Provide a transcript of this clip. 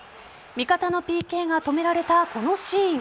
味方のＰＫが止められたこのシーン。